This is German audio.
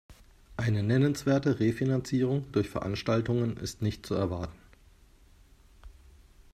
Eine nennenswerte Refinanzierung durch Veranstaltungen ist nicht zu erwarten.